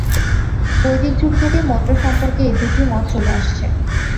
বৈদিক যুগ থেকেই মন্ত্র সম্পর্কে এই দুটি মত চলে আসছে।